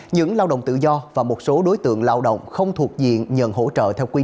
những lao động tự do và một số đối tượng lao động không thuộc diện nhờn hỗ trợ theo quy định